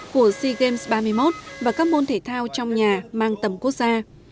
của sea games ba mươi một và các môn thể thao trong nhà mang tầm quốc gia